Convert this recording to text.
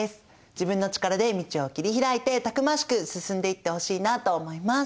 自分の力で道を切り開いてたくましく進んでいってほしいなと思います。